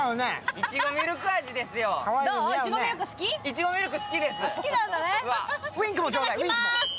いちごみるく好きです。